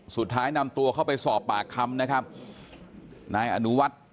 สุดท้ายนำตัวเข้าไปสอบปากคำนะครับนายอนุวัฒน์